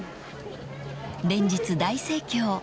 ［連日大盛況］